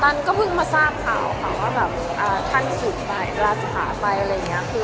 มันก็เพิ่งมาทราบข่าวค่ะว่าแบบท่านสืบไปราชหาไปอะไรอย่างนี้